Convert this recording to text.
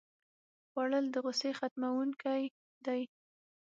خوړل د غوسې ختموونکی دی